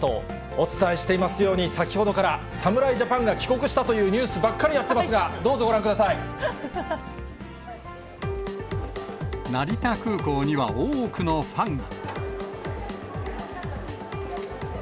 お伝えしていますように、先ほどから、侍ジャパンが帰国したというニュースばっかりやってますが、成田空港には多くのファンが。